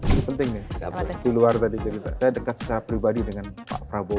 ini penting nih di luar tadi cerita saya dekat secara pribadi dengan pak prabowo